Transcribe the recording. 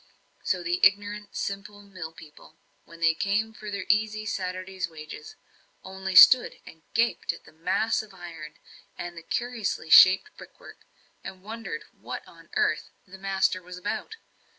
So the ignorant, simple mill people, when they came for their easy Saturday's wages, only stood and gaped at the mass of iron, and the curiously shaped brickwork, and wondered what on earth "the master" was about?